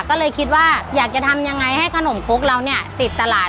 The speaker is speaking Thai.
ก็เลยคิดว่าอยากจะทำยังไงให้ขนมครกเราเนี่ยติดตลาด